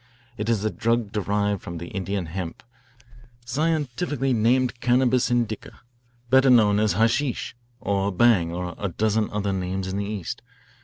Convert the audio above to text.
It is the drug derived from the Indian hemp, scientifically named Cannabis Indica, better known as hashish, or bhang, or a dozen other names in the East.